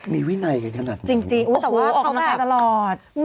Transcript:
มีวินัยกันขนาดนี้โอ้โฮออกมาซะตลอดจริง